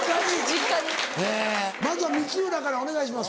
えまずは光浦からお願いします。